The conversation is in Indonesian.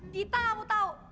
dita gak mau tahu